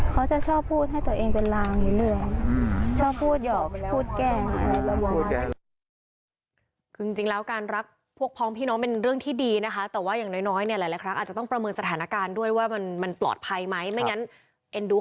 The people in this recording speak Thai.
ถ้าจะบวชถ้าบวชเสร็จแล้วก็จะตายตอนไหนก็ได้